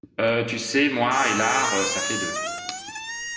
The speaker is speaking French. Euh. .. Tu sais, moi et l’art, ça fait deux !